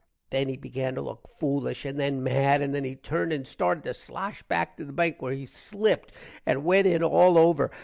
then he began to look foolish, and then mad, and then he turned and started to slosh back to the bank where he slipped and went in all over.